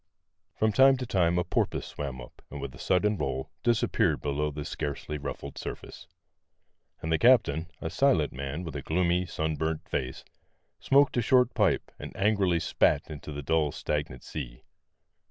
From time to time a porpoise swam up, and with a sudden roll disappeared below the scarcely ruffled surface. And the captain, a silent man with a gloomy, sunburnt face, smoked a short pipe and angrily spat into the dull, stagnant sea.